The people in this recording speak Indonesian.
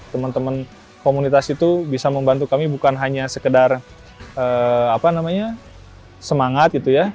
teman teman komunitas itu bisa membantu kami bukan hanya sekedar semangat gitu ya